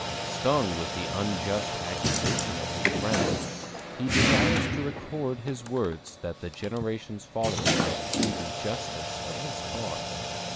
Stung with the unjust accusation of his friends, he desires to record his words that the generations following might see the justice of his cause.